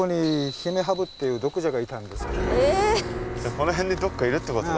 この辺でどっかいるってことだ。